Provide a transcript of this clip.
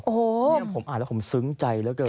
โอ้โหผมอ่านแล้วผมซึ้งใจแล้วเกิน